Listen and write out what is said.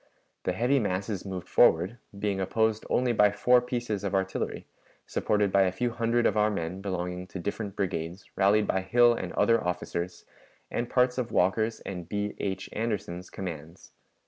The heavy masses moved forward, being opposed only by four pieces of artillery, supported by a few hundred of our men belonging to different brigades rallied by Hill and other officers, and parts of Walker's and B. H. Anderson's commands.